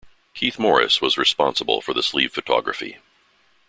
Keith Morris was responsible for the sleeve photography.